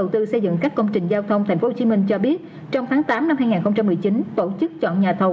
thành phố hồ chí minh cho biết trong tháng tám năm hai nghìn một mươi chín tổ chức chọn nhà thầu